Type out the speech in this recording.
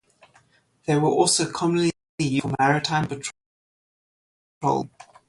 They were also commonly used for maritime patrol and air-sea rescue.